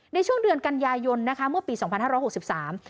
ในช่วงเดือนกันยายนนะคะเมื่อปีสองพันห้าร้อยหกสิบสาม